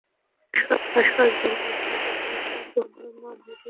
ভাস্কর্যটির মূল বিষয়বস্তু হল, মা মেরির কোলে শায়িত যিশুর মৃতদেহ।